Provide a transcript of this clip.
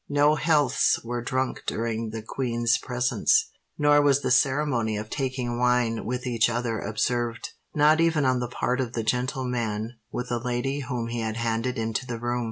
No healths were drunk during the Queen's presence; nor was the ceremony of taking wine with each other observed—not even on the part of the gentleman with the lady whom he had handed into the room.